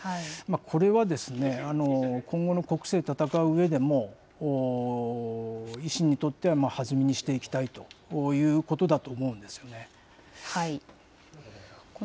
これは今後の国政戦ううえでも、維新にとっては弾みにしていきたいということだと思うんですよね。